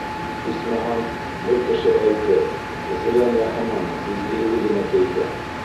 Исмаһам, бер кеше әйтер: зыян яһаманы, изгелеге генә тейҙе.